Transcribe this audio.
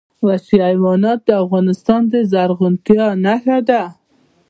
وحشي حیوانات د افغانستان د زرغونتیا نښه ده.